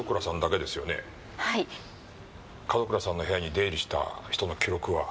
門倉さんの部屋に出入りした人の記録は？